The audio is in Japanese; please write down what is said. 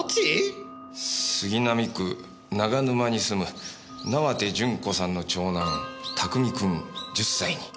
杉並区ながぬまに住む縄手順子さんの長男拓海君１０歳に。